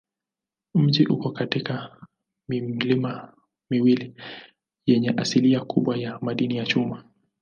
Mji uko katikati ya milima miwili yenye asilimia kubwa ya madini ya chuma.